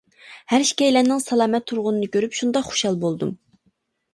ھەر ئىككىيلەننىڭ ساق-سالامەت تۇرغىنىنى كۆرۈپ شۇنداق خۇشال بولدۇم.